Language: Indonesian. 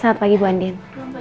selamat pagi bu andien